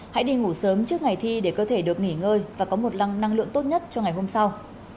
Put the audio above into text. hãy đi ngủ sớm trước ngày thi để cơ thể được nghỉ ngơi và có một lăng năng lượng tốt nhất cho ngày hôm sau